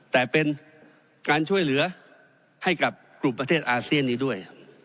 แต่เป็นการช่วยเหลือให้กับกลุ่มประเทศอาเซียนนี้ด้วย